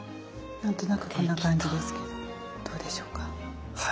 何となくこんな感じですけどどうでしょうか。